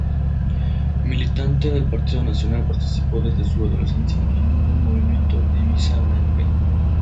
Militante del Partido Nacional, participó desde su adolescencia en el movimiento Divisa Blanca.